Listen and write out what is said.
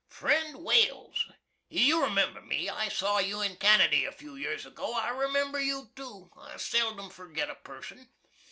FRIEND WALES, You remember me. I saw you in Canady a few years ago. I remember you too. I seldim forget a person.